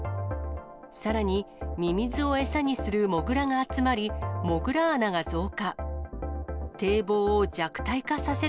さらに、ミミズを餌にするモグラが集まり、モグラ穴が増加。